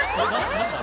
何だ？